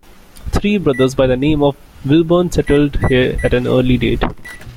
Three brothers by the name of Wilburn settled here at an early date.